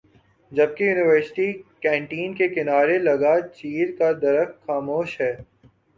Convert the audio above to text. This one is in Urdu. جبکہ یونیورسٹی کینٹین کے کنارے لگا چیڑ کا درخت خاموش ہے